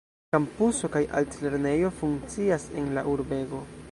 Kampuso kaj altlernejo funkcias en la urbego.